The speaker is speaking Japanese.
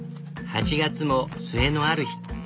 ８月も末のある日。